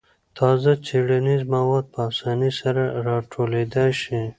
تازه څېړنیز مواد په اسانۍ سره راټولېدای شي.